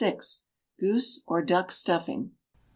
Goose or Duck Stuffing.